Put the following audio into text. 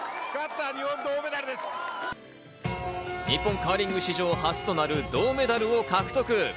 日本カーリング史上初となる銅メダルを獲得。